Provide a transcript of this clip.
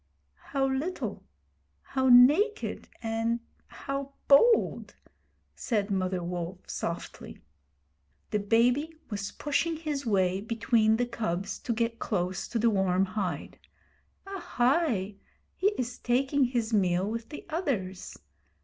'How little! How naked, and how bold!' said Mother Wolf, softly. The baby was pushing his way between the cubs to get close to the warm hide. 'Ahai! He is taking his meal with the others.